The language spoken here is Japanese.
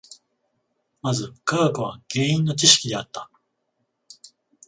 まず科学は原因の知識であった。